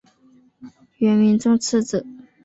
元明宗次子。